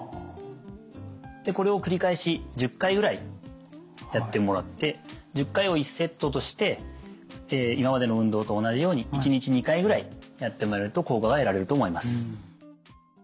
これを繰り返し１０回ぐらいやってもらって１０回を１セットとして今までの運動と同じように１日２回ぐらいやってもらえると効果が得られると思います。